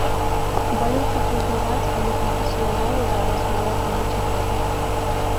Балюча прызнаваць, але прафесіяналы зараз мала каму цікавы.